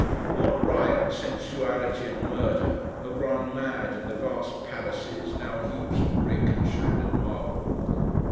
What riot, sensuality and murder, have run mad in the vast palaces now heaps of brick and shattered marble!